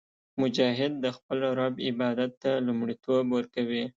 مجاهد د خپل رب عبادت ته لومړیتوب ورکوي.